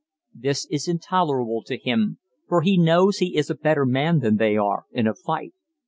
This is intolerable to him, for he knows he is a better man than they are in a fight.